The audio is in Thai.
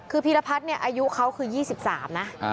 คือพีรพัฒน์เนี่ยอายุเขาคือ๒๓นะ